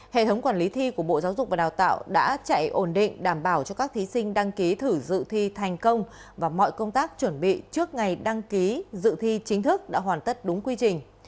hệ thống quản lý thi của bộ giáo dục và đào tạo đã chạy ổn định đảm bảo cho các thí sinh đăng ký thử dự thi thành công và mọi công tác chuẩn bị trước ngày đăng ký dự thi chính thức đã hoàn tất đúng quy trình